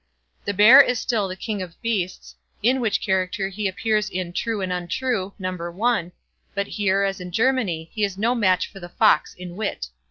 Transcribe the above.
The Bear is still the King of Beasts, in which character he appears in "True and Untrue", No. i, but here, as in Germany, he is no match for the Fox in wit.